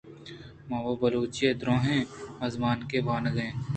ما وَ بلوچی ءِ دْراجیں آزمانکے وانگ ءَ ایں